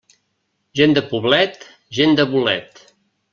Gent de poblet, gent de bolet.